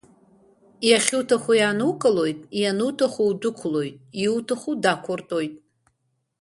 Иахьуҭаху иаанукылоит, иануҭаху удәықәлоит, иуҭаху дақәуртәоит.